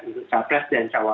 untuk capres dan capang